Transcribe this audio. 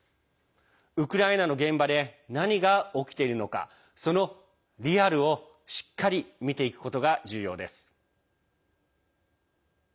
ウクライナの現場で何が起きているのかそのリアルをしっかり見ていくことが重要です。